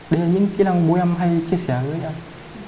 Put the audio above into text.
đây là những kỹ lăng bố em hay chia sẻ với anh